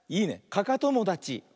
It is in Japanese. かかともだち。